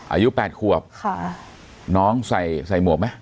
อายุ๘ขวบค่ะน้องใส่ใส่หมวกไหม